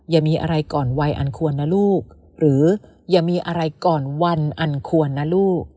อย่ามีอะไรก่อนวัยอันควรนะลูกหรืออย่ามีอะไรก่อนวันอันควรนะลูก